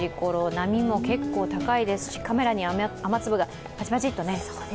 波も結構高いですしカメラに雨粒がパチパチッとね。